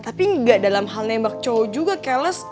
tapi ga dalam hal nembak cowo juga keles